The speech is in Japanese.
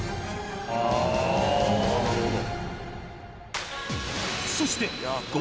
あなるほど。